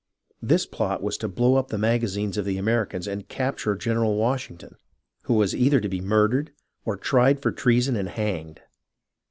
This plot was to blow up the magazines of the Americans and capture General Washington, who was either to be murdered, or tried for treason and hanged.